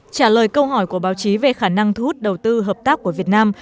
trả lời câu hỏi của báo chí về khả năng thu hút đầu tư hợp tác của việt nam